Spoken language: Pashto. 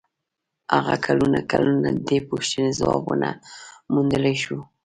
هغه کلونه کلونه د دې پوښتنې ځواب و نه موندلای شو.